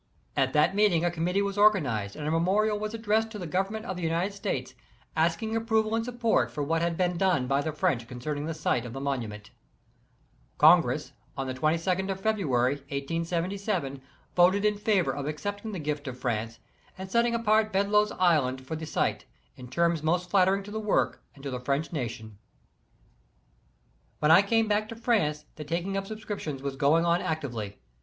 At that meeting a committee was organized and a memorial was addressed to the Government of the United States, asking approval and support for what had been done by the French concerning the site of the monument Congress on the 2 2d of February, 1877, voted in favor of accepting the gift of France and setting apart Bedloe's Island for the site, in terms most flattering to the work and to the French nation. [See note B.] When I came back to France the taking of subscrip tions was going on actively.